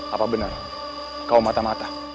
apa benar kau mata mata